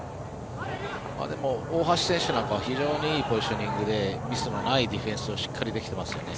でも大橋選手は非常にいいポジショニングでミスのないディフェンスをしっかりできてますよね。